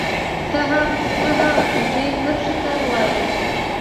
تا هغه کږې کرښې ته وایې